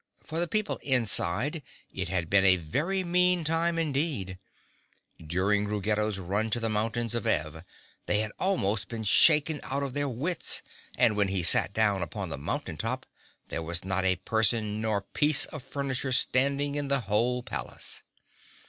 For the people inside it had been a very mean time indeed. During Ruggedo's run to the mountains of Ev, they had almost been shaken out of their wits and when he sat down upon the mountain top there was not a person nor piece of furniture standing in the whole palace.